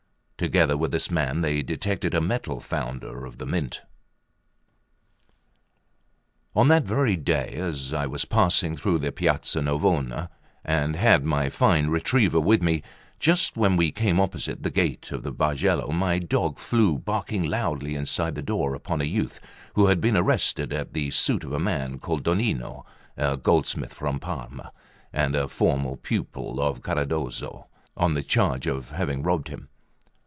Together with this man they detected a metal founder of the Mint. 1 Note 1. The word in Cellini is ovolatore di zecca. LIV ON that very day, as I was passing through the Piazza Navona, and had my fine retriever with me, just when we came opposite the gate of the Bargello, my dog flew barking loudly inside the door upon a youth, who had been arrested at the suit of a man called Donnino (a goldsmith from Parma, and a former pupil of Caradosso), on the charge of having robbed him.